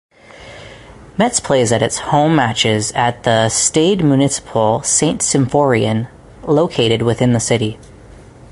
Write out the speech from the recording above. Metz plays its home matches at the Stade Municipal Saint-Symphorien located within the city.